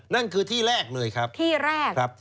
นั่นคือที่แรกเลยครับครับที่แรก